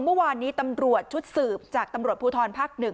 เมื่อวานนี้ตำรวจชุดสืบจากตำรวจภูทรภาค๑